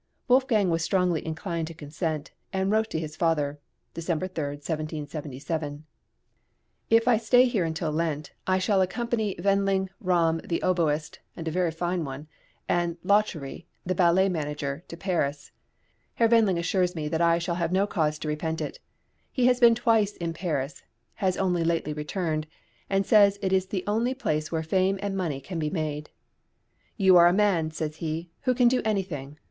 Wolfgang was strongly inclined to consent, and wrote to his father (December 3, 1777): If I stay here until Lent, I shall accompany Wendling, Ramm the oboist (and a very fine one), and Lauchery, the ballet manager, to Paris. Herr Wendling assures me that I shall have no cause to repent it. He has been twice in Paris (has only lately returned), and says it is the only place where fame and money can be made. "You are a man," says he, "who can do anything.